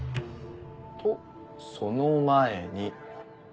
とその前に。